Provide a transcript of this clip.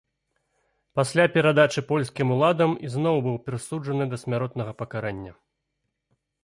Пасля перадачы польскім уладам ізноў быў прысуджаны да смяротнага пакарання.